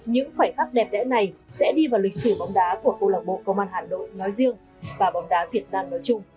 những khoảnh khắc đẹp đẽ này sẽ đi vào lịch sử bóng đá của công an hà nội nói riêng và bóng đá việt nam nói chung